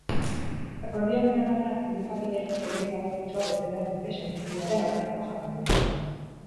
Akordioaren arabera, komunikabideek zeregin garrantzitsua bete behar dute xenofobiaren aurkako jardunean.